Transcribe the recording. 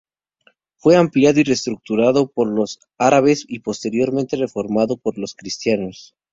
Fue ampliado y reestructurado por los árabes y posteriormente reformado por los cristianos.